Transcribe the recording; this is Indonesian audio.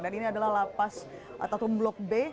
dan ini adalah lapas atau blok b